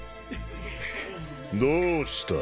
どうした？